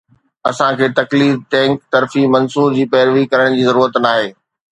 اسان کي تقليد ٽينڪ ظرفي منصور جي پيروي ڪرڻ جي ضرورت ناهي